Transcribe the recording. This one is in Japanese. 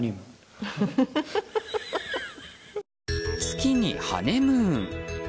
月にハネムーン。